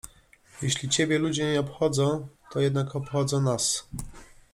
— Jeśli ciebie ludzie nie obchodzą, to jednak obchodzą nas.